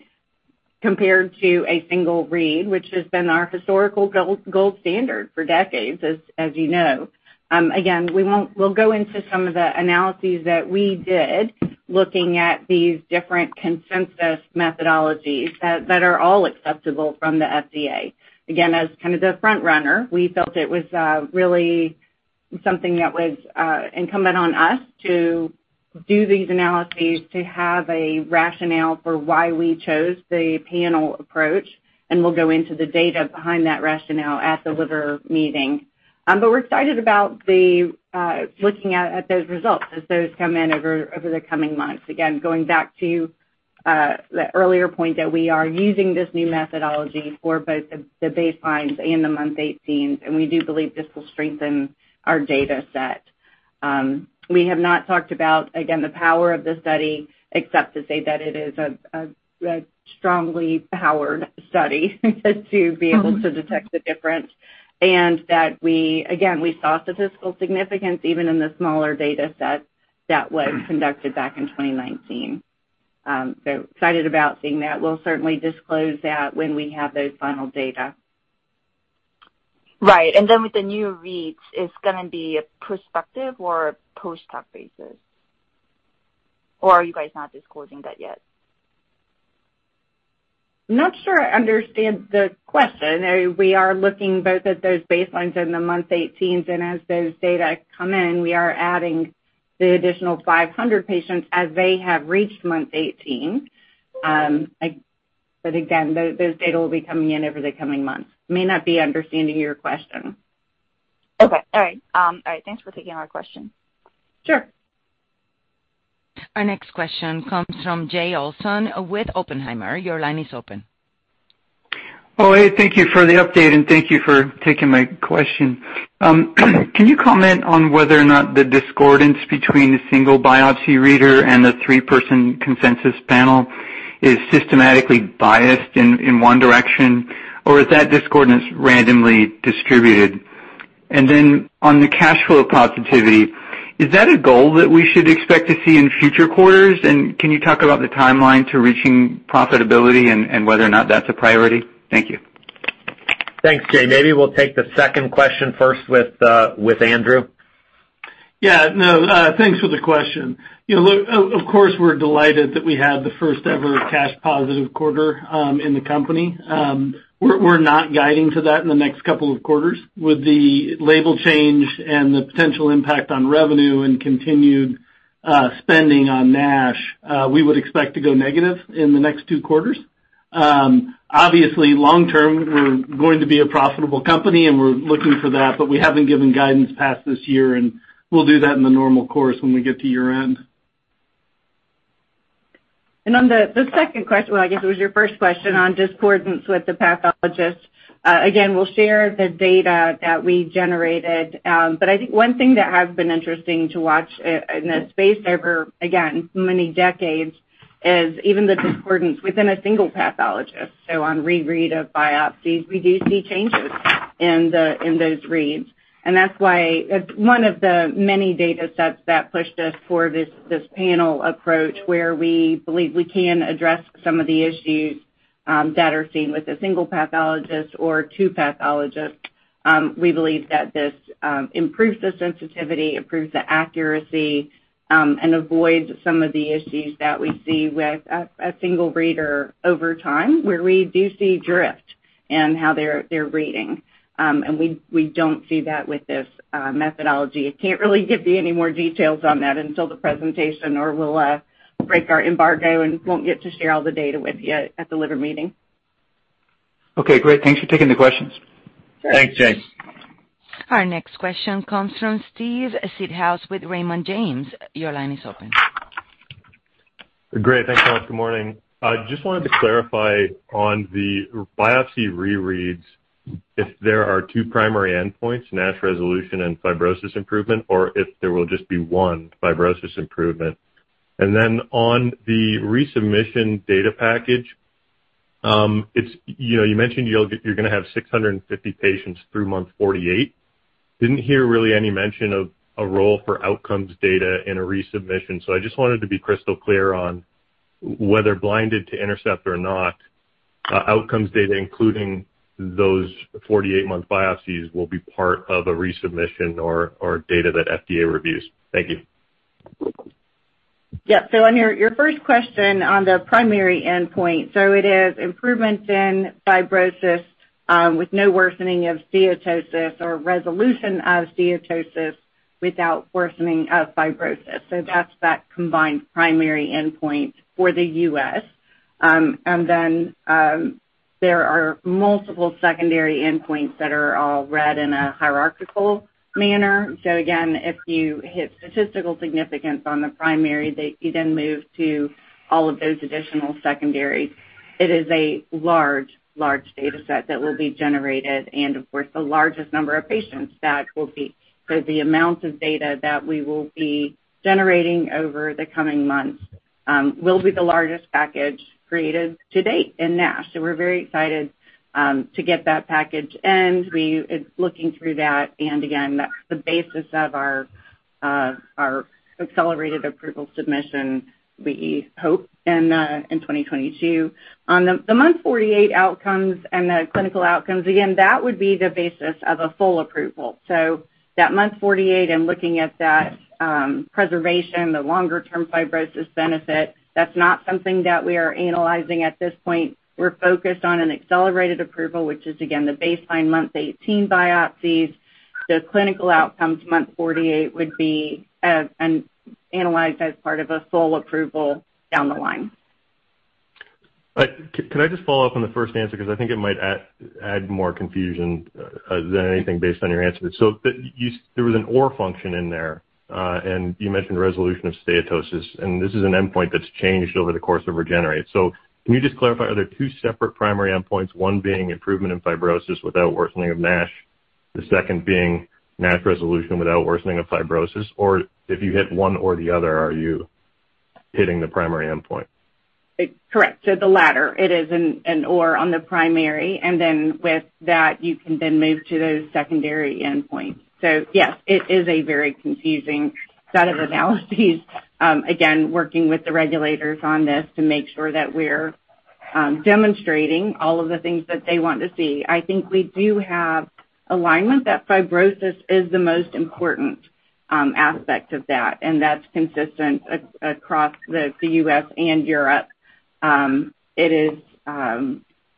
compared to a single read, which has been our historical gold standard for decades, as you know. Again, we'll go into some of the analyses that we did looking at these different consensus methodologies that are all acceptable from the FDA. Again, as kind of the front-runner, we felt it was really something that was incumbent on us to do these analyses to have a rationale for why we chose the panel approach, and we'll go into the data behind that rationale at The Liver Meeting. We're excited about looking at those results as those come in over the coming months. Going back to the earlier point that we are using this new methodology for both the baselines and the month 18s, and we do believe this will strengthen our data set. We have not talked about, again, the power of the study except to say that it is a strongly powered study to be able to detect the difference, and that we, again, we saw statistical significance even in the smaller data set that was conducted back in 2019. Excited about seeing that. We'll certainly disclose that when we have those final data. Right. With the new reads, it's going to be a prospective or post hoc basis? Are you guys not disclosing that yet? Not sure I understand the question. We are looking both at those baselines and the month 18s, and as those data come in, we are adding the additional 500 patients as they have reached month 18. Again, those data will be coming in over the coming months. May not be understanding your question. Okay. All right, thanks for taking our question. Sure. Our next question comes from Jay Olson with Oppenheimer. Your line is open. Hey, thank you for the update and thank you for taking my question. Can you comment on whether or not the discordance between the single biopsy reader and the three-person consensus panel is systematically biased in one direction, or is that discordance randomly distributed? On the cash flow positivity, is that a goal that we should expect to see in future quarters? Can you talk about the timeline to reaching profitability and whether or not that's a priority? Thank you. Thanks, Jay. Maybe we'll take the second question first with Andrew. Thanks for the question. Of course, we're delighted that we had the first-ever cash-positive quarter in the company. We're not guiding to that in the next couple of quarters. With the label change and the potential impact on revenue and continued spending on NASH, we would expect to go negative in the next two quarters. Obviously, long-term, we're going to be a profitable company, and we're looking for that, but we haven't given guidance past this year, and we'll do that in the normal course when we get to year-end. On the second question, well, I guess it was your first question on discordance with the pathologists. Again, we'll share the data that we generated. But I think one thing that has been interesting to watch in this space over, again, many decades is even the discordance within a single pathologist. On re-read of biopsies, we do see changes in those reads, and that's why it's one of the many data sets that pushed us toward this panel approach where we believe we can address some of the issues that are seen with a single pathologist or two pathologists. We believe that this improves the sensitivity, improves the accuracy, and avoids some of the issues that we see with a single reader over time, where we do see drift in how they're reading. We don't see that with this methodology. I can't really give you any more details on that until the presentation, or we'll break our embargo and won't get to share all the data with you at The Liver Meeting. Okay, great. Thanks for taking the questions. Thanks, Jay. Our next question comes from Steve Seedhouse with Raymond James. Your line is open. Great. Thanks, all. Good morning. Just wanted to clarify on the biopsy rereads, if there are two primary endpoints, NASH resolution and fibrosis improvement, or if there will just be one, fibrosis improvement. On the resubmission data package, you mentioned you're going to have 650 patients through month 48. Didn't hear really any mention of a role for outcomes data in a resubmission. I just wanted to be crystal clear on whether blinded to Intercept or not, outcomes data, including those 48-month biopsies, will be part of a resubmission or data that FDA reviews? Thank you. On your first question on the primary endpoint, it is improvements in fibrosis with no worsening of steatosis or resolution of steatosis without worsening of fibrosis. That's that combined primary endpoint for the U.S. Then there are multiple secondary endpoints that are all read in a hierarchical manner. Again, if you hit statistical significance on the primary, you then move to all of those additional secondaries. It is a large data set that will be generated and, of course, the largest number of patients. The amount of data that we will be generating over the coming months will be the largest package created to date in NASH. We're very excited to get that package in. We are looking through that, and again, that's the basis of our accelerated approval submission, we hope in 2022. On the month 48 outcomes and the clinical outcomes, again, that would be the basis of a full approval. That month 48 and looking at that preservation, the longer-term fibrosis benefit, that's not something that we are analyzing at this point. We're focused on an accelerated approval, which is, again, the baseline month 18 biopsies. The clinical outcomes month 48 would be analyzed as part of a full approval down the line. Can I just follow up on the first answer? I think it might add more confusion than anything based on your answer. There was an or function in there, and you mentioned resolution of steatosis, and this is an endpoint that's changed over the course of REGENERATE. Can you just clarify, are there two separate primary endpoints, one being improvement in fibrosis without worsening of NASH, the second being NASH resolution without worsening of fibrosis? If you hit one or the other, are you hitting the primary endpoint? Correct. The latter, it is an or on the primary, with that, you can move to those secondary endpoints. Yes, it is a very confusing set of analyses. Again, working with the regulators on this to make sure that we're demonstrating all of the things that they want to see. I think we do have alignment that fibrosis is the most important aspect of that, and that's consistent across the U.S. and Europe.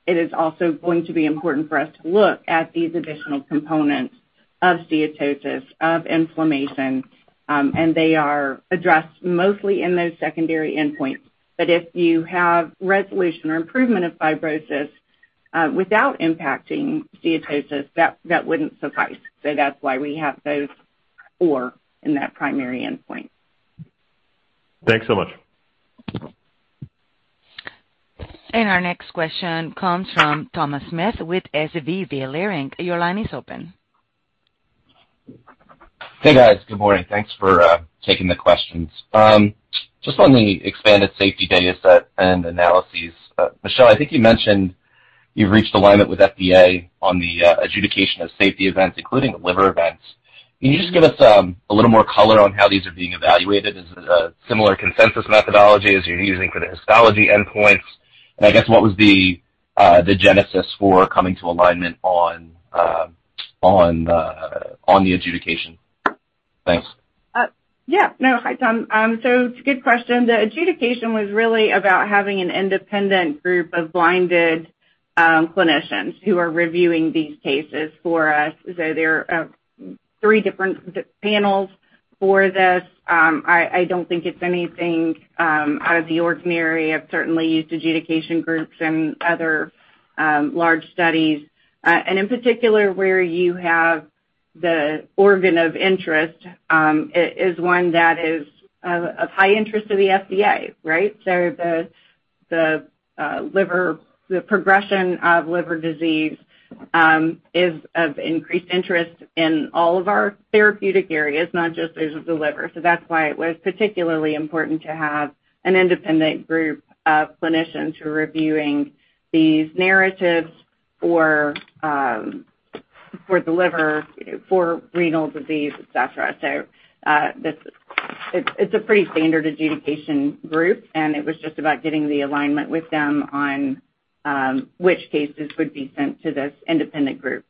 It is also going to be important for us to look at these additional components of steatosis, of inflammation. They are addressed mostly in those secondary endpoints. If you have resolution or improvement of fibrosis without impacting steatosis, that wouldn't suffice. That's why we have those, or in that primary endpoint. Thanks so much. Our next question comes from Thomas Smith with SVB Leerink. Your line is open. Hey, guys. Good morning. Thanks for taking the questions. Just on the expanded safety data set and analyses. Michelle, I think you mentioned you've reached alignment with FDA on the adjudication of safety events, including liver events. Can you just give us a little more color on how these are being evaluated? Is it a similar consensus methodology as you're using for the histology endpoints? I guess, what was the genesis for coming to alignment on the adjudication? Thanks. Yeah. No. Hi, Tom. It's a good question. The adjudication was really about having an independent group of blinded clinicians who are reviewing these cases for us. There are three different panels for this. I don't think it's anything out of the ordinary. I've certainly used adjudication groups in other large studies. In particular, where you have the organ of interest, is one that is of high interest to the FDA, right? The progression of liver disease is of increased interest in all of our therapeutic areas, not just those of the liver. That's why it was particularly important to have an independent group of clinicians who are reviewing these narratives for the liver, for renal disease, etc. It's a pretty standard adjudication group, and it was just about getting the alignment with them on which cases would be sent to this independent group.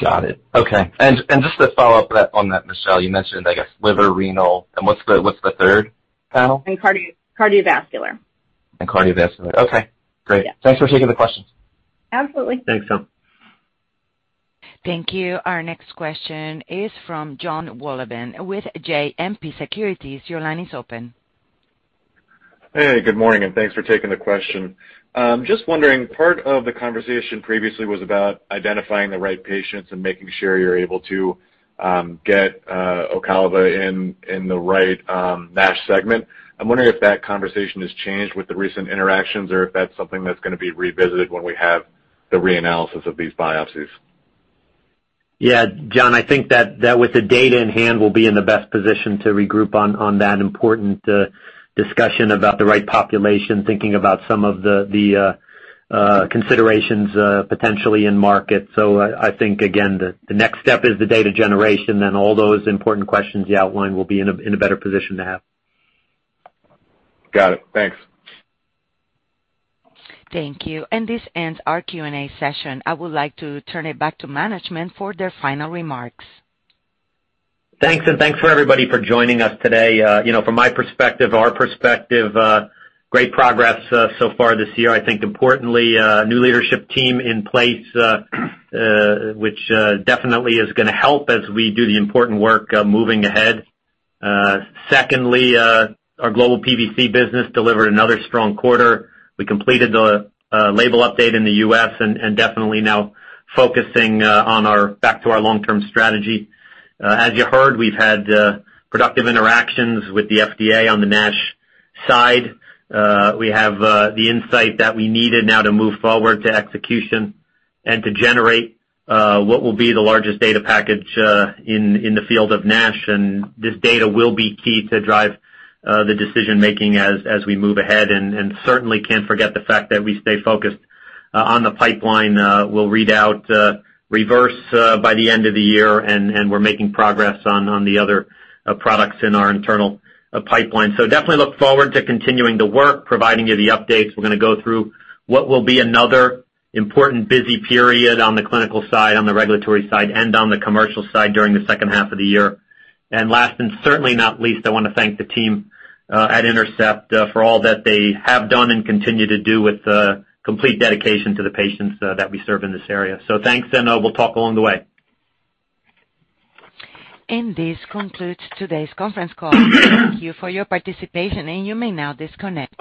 Got it. Okay. Just to follow up on that, Michelle, you mentioned, I guess, liver, renal, and what's the third panel? Cardiovascular. Cardiovascular? Okay, great. Yeah. Thanks for taking the questions. Absolutely. Thanks, Tom. Thank you. Our next question is from Jon Wolleben with JMP Securities. Your line is open. Hey, good morning, and thanks for taking the question. Just wondering, part of the conversation previously was about identifying the right patients and making sure you're able to get Ocaliva in the right NASH segment. I'm wondering if that conversation has changed with the recent interactions or if that's something that's going to be revisited when we have the reanalysis of these biopsies. Yeah, Jon, I think that with the data in hand, we'll be in the best position to regroup on that important discussion about the right population, thinking about some of the considerations potentially in market. I think, again, the next step is the data generation, then all those important questions you outlined we'll be in a better position to have. Got it, thanks. Thank you. This ends our Q&A session. I would like to turn it back to management for their final remarks. Thanks, thanks for everybody for joining us today. From my perspective, our perspective, great progress so far this year. I think importantly, new leadership team in place, which definitely is going to help as we do the important work moving ahead. Secondly, our global PBC business delivered another strong quarter. We completed the label update in the U.S., and definitely now focusing back to our long-term strategy. As you heard, we've had productive interactions with the FDA on the NASH side. We have the insight that we needed now to move forward to execution and to generate what will be the largest data package in the field of NASH. This data will be key to drive the decision-making as we move ahead, and certainly can't forget the fact that we stay focused on the pipeline. We'll read out REVERSE by the end of the year, and we're making progress on the other products in our internal pipeline. Definitely look forward to continuing the work, providing you the updates. We're going to go through what will be another important busy period on the clinical side, on the regulatory side, and on the commercial side during the second half of the year. Last, and certainly not least, I want to thank the team at Intercept for all that they have done and continue to do with complete dedication to the patients that we serve in this area. Thanks, and we'll talk along the way. This concludes today's conference call. Thank you for your participation, and you may now disconnect.